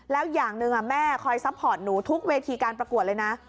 แล้วอย่างหนึ่งแม่คอยซัพพอร์ตหนูทุกเวทีการประกวดเลยนะ